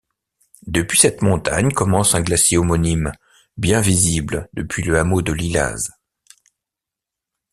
Depuis cette montagne commence un glacier homonyme, bien visible depuis le hameau de Lillaz.